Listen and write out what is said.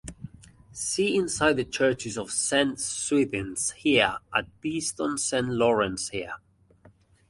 See Inside the churches of Saint Swithins here and Beeston Saint Lawrence here.